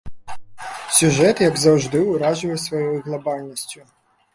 Сюжэт, як заўжды, уражвае сваёй глабальнасцю.